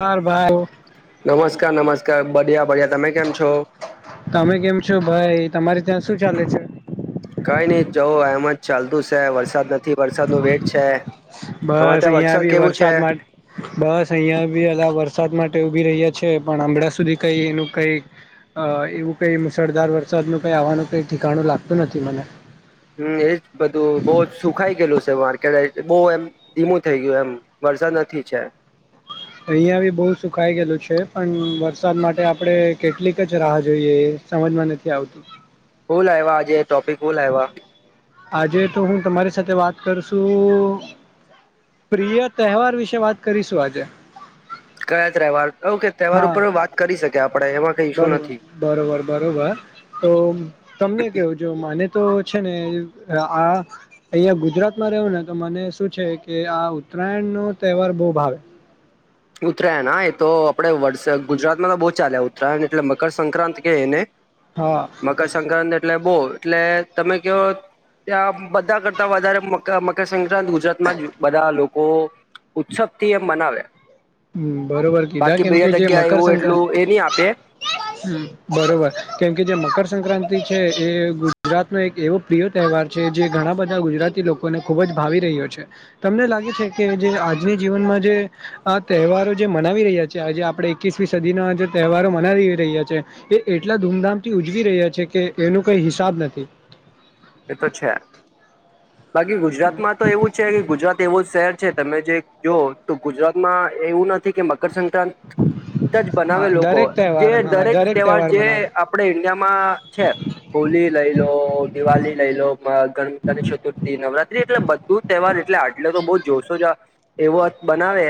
હાર ભાઈ નમસ્કાર નમસ્કાર બડિયા બડિયા તમે કેમ છો? તમે કેમ છો? ભાઈ તમારે ત્યાં શું ચાલે છે? કઈ નહી જો એમ જ ચાલતું છે વરસાદ નથી. થી વરસાદનો વેટ છે તમારે બસ ત્યાં અહિયાં વરસાદ બી કેવું છે? માટે બસ અહિયાં બી અમે વરસાદ માટે ઉભી રહ્યા છે પણ હમણાં સુધી કઈ એનું કઈ અ એવું કઈ મુશળધાર વરસાદ ન કઈ આવાનું કઈ ઠિકાણું લાગતું નથી મને હમ એજ બધું બહ સુખાઈ ગયેલું છે માર્કેટ બહુ એમ ધીમું થઈ ગયું એમ વરસાદ નથી છે. અહિયાં બી બહુ સુખાઈ ગયેલું છે પણ વરસાદ માટે આપડે કેટલીક જ રાહ જોઈએ એ સમજમાં નથી આવતુ શું લાવ્યા આજે ટોપિક શું લાવ્યા? આજે તો હું તમારી સાથે વાત કરશું પ્રિય તહેવાર વિશે વાત કરીશું આજે કયા તહેવાર? ઓકે તહેવાર હા ઉપર વાત કરી શકે આપણેે એમાં કઈ શું બરોબર નથી. બરોબર બરોબર તો તમને કેવો જો માને તો છેને, આ અહીં ગુજરાતમાં રહ્યો ને તો મને શું છે, કે આ ઉત્તરાયણનો તહેવાર બહુ ભાવે ઉત્તરાયણ હા એ તો આપડે વરસા ગુજરાતમાં તો બહુ ચાલે ઉત્તરાયણ એટલે મકરસંક્રાંતિ કે એને હા. મકરસક્રાંતિ એટલે બહુ એટલે તમે કહો ત્યાં બધા કરતા વધારે મકર સંક્રાંત ગુજરાતમાં જ બધા લોકો ઉત્સવ થી એમ મનાવ્યા હમ બરોબર કીધા કેમ કે જે જગ્યા એવું મકરસક્રાંતિ એટલું એ નહી આપે હ બરોબર કેમ કે જે મકરસક્રાંતિ છે એ ગુજરાતનો એક એવો પ્રિય તહેવાર છે જે ઘણા બધા ગુજરાતી લોકોને ખૂબ જ ભાવી રહ્યો છે. તમને લાગે છે, કે જે આજની જીવનમાં જે આ તહેવારો જે મનાવી રહ્યા છે, આજે આપણે એકવીસમી સદીના જે તહેવારો મનાવી રહ્યા છીએ. એ એટલા ધૂમધામથી ઉજવી રહ્યા છે કે એનો કઈ હિસાબ નથી. એ તો છે. બાકી ગુજરાતમાં તો એવું છે કે ગુજરાત એવું શહેર છે તમે જે જો તો ગુજરાત માં એવું નથી કે મકરસંક્રાતિ જ બનાવે હા લોકો દરેક જે તહેવાર હા દરેક તહેવાર જે મનાવે આપડે ઈન્ડિયામાં છે હોલી લઈ લો દિવાળી લઈ લો ગણપતા ની ચતુર્થી નવરાત્રી એટલે બધું તહેવાર એટલે આટલો તો બહ જોશો જ આ એવો બનાવે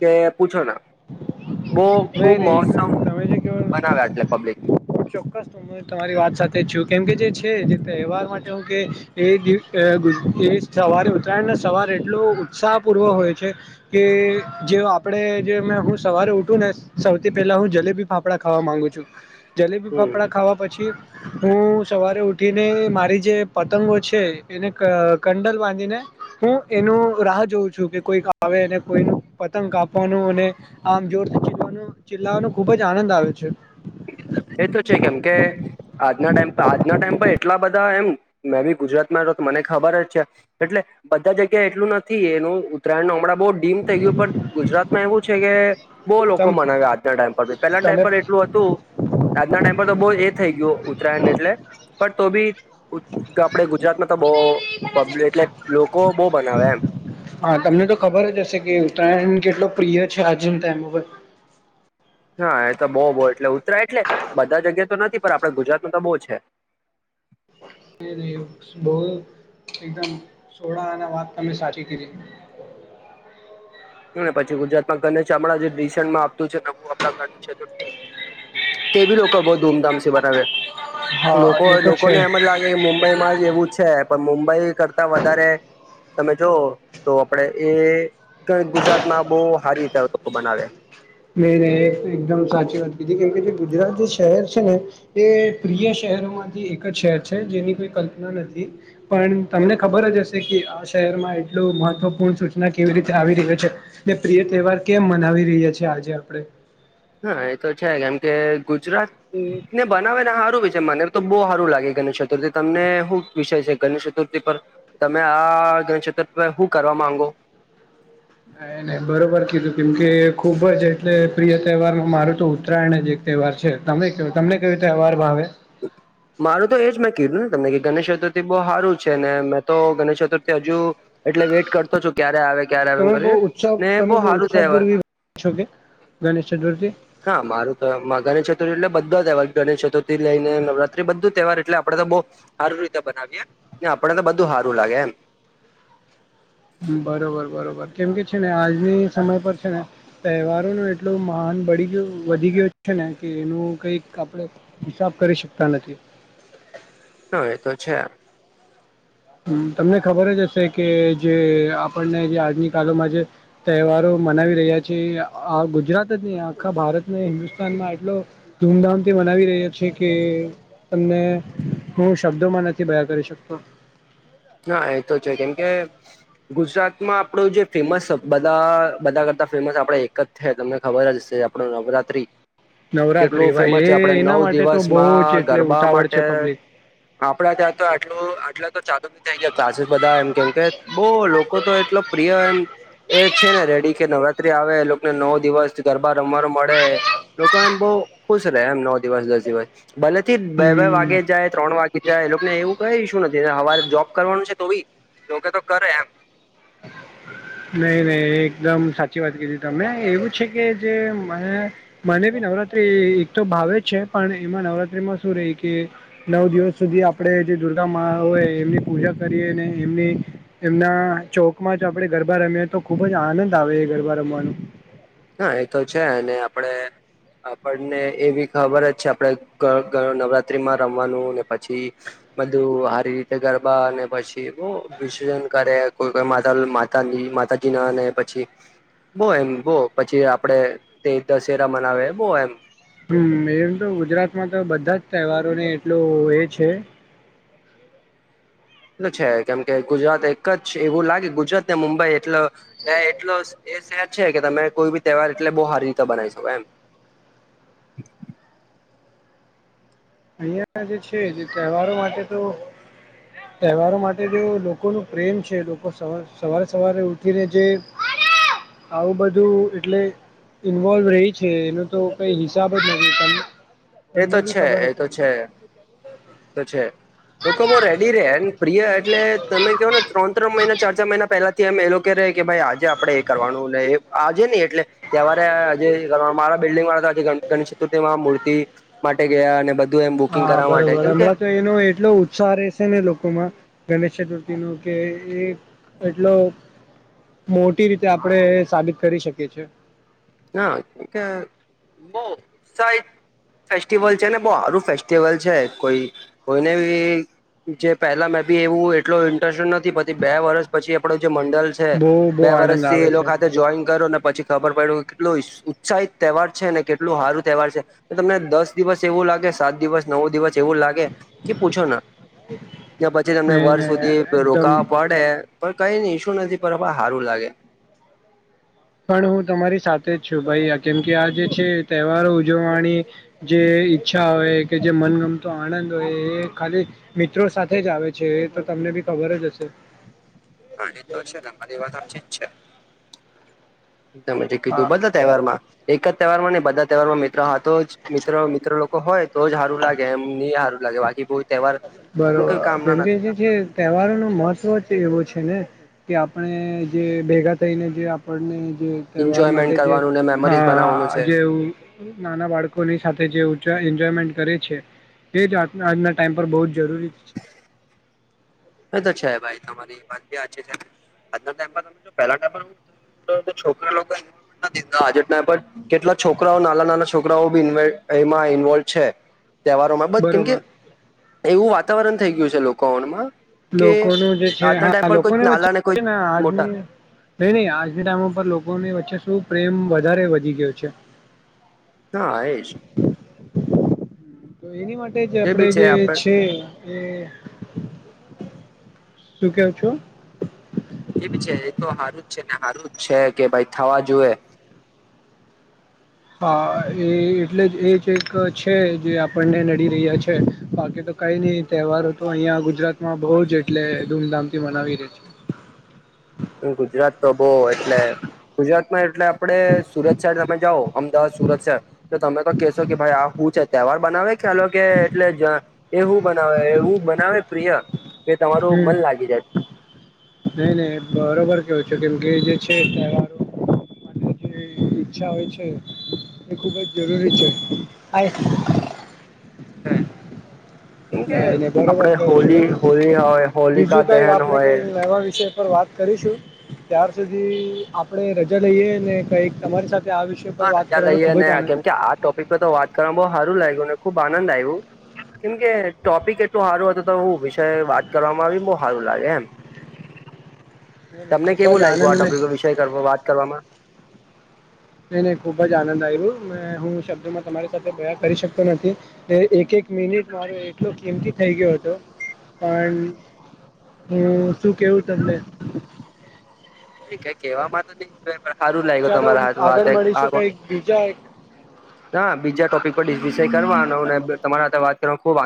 કે પૂછો ના બહ ખુબ નહીં નહીં મહોત્સવ એકદમ તમે જે કેવો બનાવ્યા એટલે પબ્લિક- હું ચોક્કસ હું તમારી વાત સાથે જ છું. કેમ કે જે છે જે તહેવાર માટે હું કે એ દી અ ગુ એ સવારે ઉતરાયણને સવાર એટલો ઉત્સાહપૂર્વ હોય છે કે જેવ આપણેે જે હું સવારે ઉઠું ને સૌથી પેલા હું જલેબી ફાફડા ખાવા માંગુ છુ. જલેબી હમ ફાફડા ખાવા પછી હું સવારે ઉઠીને મારી જે પતંગો છે એને કંડલ બાંધીને હું એનું રાહ જોઉં છું કે કોઈક આવે કોઈ પતંગ કાપવાનુ ને આમ જોરથી ચીલવાનું ચિલ્લાવાનો ખુબ જ આનંદ આવે છે. એ તો છે કેમ કે આજના ટાઈમ પર આજના ટાઈમ પર એટલા બધા એમ મેં બી ગુજરાતમાં રહો તો મને ખબર જ છે. એટલે બધાં જગ્યાએ એટલું નથી એનું ઉત્તરાયણનો હમણાં બહુ ડીમ થઈ ગયું પણ ગુજરાતમાં એવું છે કે બહુ તમ લોકો મનાવે આજના ટાઈમ પર ભી પહેલાના તમે ટાઈમ પર એટલું હતું. આજના ટાઈમ પર તો બહુ એ થઈ ગયો ઉત્તરાયણ એટલે પણ તો બી ઉત તો આપડે ગુજરાતમાં તો બોવ પબલ એટલે લોકો બહુ મનાવે એમ. હા તમને તો ખબર જ હશે કે ઉત્તરાયણ કેટલો પ્રિય છે આજના ટાઈમ ઉપર. હા એ તો બહુ બહુ એટલે ઉત્તરા એટલે બધા જગ્યા તો નથી પણ આપડે ગુજરાતમાં તો બહુ છે. [inaudible] બહુ એકદમ સોડા અને વાત તમે સાચી કીધી. એમ એ પછી ગુજરાતમાં ગણેશામડા જે રીસેન્ટમાં આપતું છે નવું આપણા ગણેશ ચતુર્થી. તે બી લોકો બહુ ધૂમધામસે બનાવે. હા લોકો એ તો છે લોકોને એમ જ લાગે કે મુંબ મુંબઈમાં જ એવું છે. પણ મુંબઈ કરતાં વધારે તમે જોવો તો આપણેે એ ઉતર ગુજરાતમાં બહુ હારી રીતે લોકો બનાવે. નહીં નહીં એ તો એકદમ સાચી વાત કીધી. કેમ કે જે ગુજરાતનું શહેર છે ને એ પ્રિય શહેરોમાંથી એક જ શહેર છે જેની કોઈ કલ્પના નથી. પણ તમને ખબર જ હશે કે આ શહેરમાં એટલું મહત્વપૂર્ણ સૂચના કેવી રીતે આવી રહ્યો છે. ને પ્રિય તહેવાર કેમ મનાવી રહ્યા છીએ આજે આપડે? હા એ તો છે જેમ કે ગુજરાત એટલે બનાવે ને હારું વિ છે મને તો બહુ હારું લાગે ગણેશચતુર્થી. તમને હું વિષય છે ગણેશ ચતુર્થી પર? તમે આ ગણેશચતુર્થી પર હું કરવા માંગો? એ ને બરોબર કીધું કેમ કે ખુબ જ એટલે પ્રિય તહેવાર મારું તો ઉત્તરાયણ જ એક તહેવાર છે. તમે કયો તમને કયો તહેવાર ભાવે? મારું તો એજ મેં કીધું ને તમને કે ગણેશચતુર્થી બહુ હારું છે ને મેં તો ગણેશચતુર્થી હજુ એટલે વેઇટ કરતો છું ક્યારે આવે, ક્યારે આવે એમ તમે બહુ કરીને ઉત્સાહ ને બહુ હારું તહેવાર. ગણેશચતુર્થી? હા મારું તો ગણેશચતુર્થી એટલે બધા તહેવાર ગણેશચતુર્થી થી લઈને નવરાત્રી બધું તહેવાર એટલે આપડે તો બહુ હારું રીતે બનાવીએ. કે આપણને બધું હારું લાગે એમ. હમ બરોબર બરોબર. કેમ કે છે ને આજની સમય પર છે ને તહેવારોનું એટલું માન બળી ગયું, વધી ગયું છે ને કે એનું કંઈક આપણે હિસાબ કરી શકતા નથી. હહ એ તો છે. હમ તમને ખબર જ હશે કે જે આપણને જે આજની કાલોમાં જે તહેવારો મનાવી રહ્યા છે આ ગુજરાત જ નહીં આખા ભારતને હિન્દુસ્તાનમાં એટલો ધૂમધામથી મનાવી રહ્યા છે કે તમને હું શબ્દોમાં નથી બયા કરી શકતો. હા એતો છે. કેમ કે ગુજરાતમાં આપણું જે ફેમસ બધા બધા કરતા ફેમસ આપણે એક જ થે તમને ખબર જ હશે આપણો નવરાત્રિ. કેટલું નવરાત્રી ભાઈ ફેમસ છે. એ આપણે એના નવ માટે તો બહુ જ દિવસમાં એટલે ગરબા ઉતાવળ માટે છે પબ્લિક આપણા ત્યાં તો આટલું આટલા તો [inaudible] [inaudible] ક્લાસીસ બધા એમ કેમ કે બહુ લોકો તો એટલો પ્રિય એમ એ છે ને રેડી કે નવરાત્રી આવે લોકને નવ દિવસ ગરબા રમવાનું મળે. લોકો એમ બહુ ખુશ રહે એમ નવ દિવસ, દસ દિવસ. બલે થી બે બે હમ વાગે જાય, ત્રણ વાગે જાય એ લોકોને એવું કઈ ઇસ્યુ નથી ને હવારે જોબ કરવાનું છે તો બી લોક તો કરે એમ. [inaudible] નઈ નઈ એકદમ સાચી વાત કીધી તમે એવું છે કે જે મને મને બી નવરાત્રી એક તો ભાવે છે પણ એમાં નવરાત્રીમાં શું રઈ કે નવ દિવસ સુધી આપડે જે દુર્ગામાં હોય એમની પૂજા કરીએ ને એમની એમના ચોકમાં જો આપડે ગરબા રમીએ તો ખુબ જ આનંદ આવે એ ગરબા રમવાનું. હન, એ તો છે અને આપડે આપડને એવી ખબર જ છે આપડે ગ ગ નવરાત્રીમાં રમવાનું ને પછી બધુ હારી રીતે ગરબા અને પછી બોઉ વિસરન કરે કોઈ કોઈ માતા મા તાલિ માતાજીના અને પછી બો એમ બો પછી આપડે તે દશેરા મનાવે, બોઉ એમ. હમ્મ, એમ તો ગુજરાતમાં તો બધા જ તહેવારોને એટલું એ છે. એ તો છે કેમ કે ગુજરાત એક જ એવું લાગે ગુજરાતને મુંબઈ એટલો ત્યાં એટલો એ સહેજ છે કે તમે કોઈ બી તહેવાર એટલે બઉ હારી રીતે બનાવી શકો એમ. અહિયાં જે છે જે તહેવારો માટે તો તહેવારો માટે જો લોકોનું પ્રેમ છે, લોકો સવાર સવારે સવારે ઉઠીને જે આવું બધું એટલે ઈન્વોલ્વ રઈ છે એનો તો કઈ હિસાબ જ નથી. તમે એ તો છે, એ તો છે, તો છે લોકો બઉ રેડી રે એમ ઈયા એટલે તમે કયોને ત્રણ-ત્રણ મહિના ચાર-ચાર મહિના પહેલાથી એમ એ લોકો રે કે ભઈ આજે આપડે એ કરવાનું ને આજે ની એટલે તહેવારે જે મારા બિલ્ડિંગ વારા જે ગણ-ગણેશ ચતુર્થીમાં મૂર્તિ માટે ગયા અને બધું એમ બુકિંગ કરવા માટે કેમ કે લો એટલો ઉત્સાહ રહેશેને લોકોમાં ગણેશ ચતુર્થીનું કે એ એટલો મોટી રીતે આપડે સાબિત કરી શકીએ છીએ. ના, કે મો સાઈ ફેસ્ટિવલ છે ને બઉ હારુ ફેસ્ટિવલ છે કોઈ કોઈને બી જે પેલા મે બી એવું એટલો ઈન્ટરસ્ટેડ નથી પતી બે વર્ષ પછી આપડો જે મંડલ છે, બહુ બહુ બે આનંદ વર્ષથી એ આવે લોક છે હાથે જોઈન કરુને પછી ખબર પડ્યું કે કેટલું સ ઉત્સાહિત તહેવાર છે ને કેટલું હારું તહેવાર છે. એ તમને દસ દિવસ એવું લાગે, સાત દિવસ, નવ દિવસ એવું લાગે કે પૂછોના. યા પછી તમને ને એને વર્ષ સુધી એકદમ રોકાવા પડે પણ કઈની ઈશ્યુ નથી, પણ આપડ હારું લાગે. પણ હું તમારી સાથે જ છું ભઈ આ કેમ કે આ જે છે, તહેવારો ઉજવાણી જે ઈચ્છા હોય કે જે મનગમતો આનંદ હોય એ ખાલી મિત્રો સાથે જ આવે છે એ તો તમને બી ખબર જ હશે? હા, એ તો છે. તમારી વાત સાચી જ છે. તમે જે હા કીધું બધા તહેવારમાં, એક જ તહેવારમાં ની બધા તહેવારમાં મિ ત્ર હાતુ જ. મિત્ર મિત્ર લોકો હોય તો જ હારું લાગે એમ ની હારું લાગે બાકી કોઈ તહેવાર એમ બરોબર કઈ કામના કેમ કે નથી જે છે તહેવારોનું મહત્વ જ એવુ છે ને. કે આપણે જે ભેગા થઈને જે આપડને જે તહેવાર માટે એન્જોયમેન્ટ જે કરવાનું ને હા, મેમરીઝ બનાવવાનું છે જેવું નાના બાળકોની સાથે જે ઉજ એન્જોયમેન્ટ કરે છે તે જ આ આજના ટાઈમ પર બઉ જરૂરી એ તો છે ભાઈ તમારી બી વાતી છે. આજના ટાઈમ પર પહેલાના પણ તો છોકરા લોકો ોમેન્ટ [unintelligible] નાધાજ ના પણ કેટલા છોકરાઓ નાના નાના છોકરાઓ બી એમાં ઈન્વોલ્વ છે. તહેવારોમાં બધ કેમ કે બરોબર એવું વાતાવરણ થઈ ગયું છે લોકોમાં કે લોકોનું જે છે આજના ટાઈમ હા પર કોઈ લોકોની નાલા વચ્ચે કોઈ ને મોટા આજની નઈ નહી આજના ટાઈમ ઉપ લોકોની વચ્ચે શું પ્રેમ વધારે વધી ગયો છે. હા, એ જ. તો એની માટે જ આપડે જે છે એ, હુ કેવ છો? જે બી છે એ તો હારું જ છે ને હારું જ છે કે ભઈ થવા જોએ. હા, એ એટલે જ એ જ એક છે જે આપણને નડી રહ્યા છે, બાકી તો કઈની તહેવારો તો અહીંયા ગુજરાતમાં બઉ જ એટલે ધૂમધામથી મનાવી રે છે. ગુજરાત તો બઉ એટલે ગુજરાત માં એટલે આપડે સુરત શહેર તમે જાઓ અમદાવાદ સુરત શહેર તો તમે તો કેહેશો કે ભાઈ આ હું છે તહેવાર બનાવે ખ્યાલો કે એટલે એવું બનાવેવું બનાવે પ્રિયા હમ્મ. નહી નહી બરોબર કેવય છે કેમકે જે છે તહેવારો જે ઈચ્છા હોય છે એ ખૂબ જ જરૂરી છે આ છે. કેમ કે ન નઈ બરોબર આપડે કવ છું હોલી હોલી હોય હોલિકા બીજું કઈ દહન આપડે હોય કઈ લવા વિશે. પર વાત કરીશું ત્યાર સુધી આપણે રજા લઈએ ને કઈક તમારી સાથે આવી હા રજા લઈએ ને કેમ કે આ ટોપિક પર તો વાત કરવાવામાં બહ સારું લાગ્યુંને ખુબ આનંદ આવ્યું. કેમ કે ટોપિક એટલું સારું હતું તો હ વિષ વાત કરવામાં આવી બહુ સારું લાગે એમ. હ. તમને કેવું લાગ્યું આ ટોપિક વિષયવો વાત કરવામાં. નહીં નહીં ખૂબ જ આનંદ આવ્યો મે હું શબ્દોમાં તમારી સાથે ગયા કરી શકતો નથી. એક એક મિનિટ મારો એટલો કિંમતી થઈ ગયો હતો પણ હમ્મ શું કેવું તમને? ક કહેવામાં તો નહી જો પણ સારું લાગ્યું ચાલો તમારા આગળ હા મળીશું વાત કંઈક બીજા એક ના બીજા ટોપિક પર કરવાનો તમારા સાથે વાત કરવા ખબ